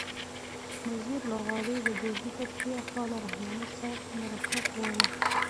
نذیر لغاري د ډیورنډ کرښې آخوا له رحماني صاحب مرکه کوله.